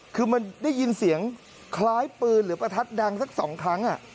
คือมันได้ยินเสียงคล้ายปืนหรือประทัดดังสัก๒ครั้ง